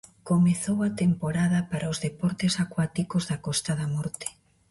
Comezou a temporada para os deportes acuáticos da Costa da Morte.